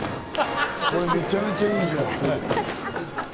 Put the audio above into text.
これ、めちゃめちゃいいじゃん！